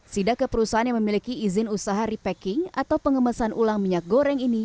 sida keperusahaan yang memiliki izin usaha repacking atau pengemesan ulang minyak goreng ini